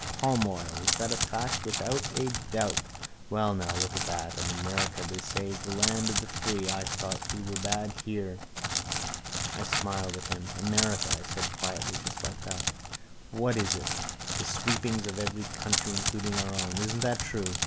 Palm oil. Is that a fact? Without a doubt. Well now, look at that. And America they say is the land of the free. I thought we were bad here. I smiled at him. America, I said quietly, just like that. _What is it? The sweepings of every country including our own. Isn't that true?